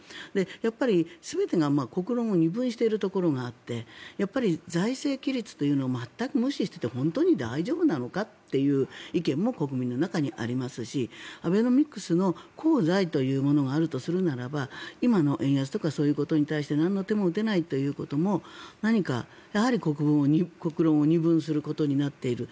やっぱり全てが国論を二分しているところがあってやっぱり財政規律というのを全く無視していて本当に大丈夫なのかという意見も国民の中にありますしアベノミクスの功罪というものがあるとするならば今の円安とかそういうことに対して何も手が打てないということも何か、やはり国論を二分することになっている。